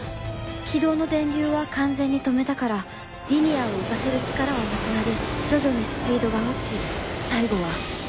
軌道の電流は完全に止めたからリニアを浮かせる力はなくなり徐々にスピードが落ち最後は。